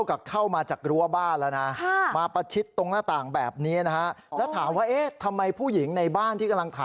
กระเจ้าเป็นคนบ่าวเองทุกอย่าง